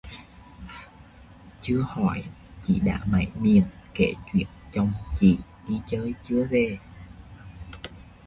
Chưa hỏi, chị đã máy miệng kể chuyện chồng chị đi chơi chưa về